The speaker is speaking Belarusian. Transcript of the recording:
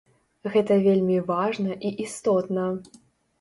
Гэта вельмі важна і істотна.